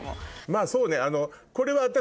まぁそうねこれは。